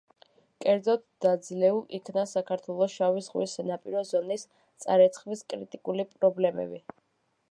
კერძოდ, დაძლეულ იქნა საქართველოს შავი ზღვის სანაპირო ზონის წარეცხვის კრიტიკული პრობლემები.